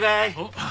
あっ！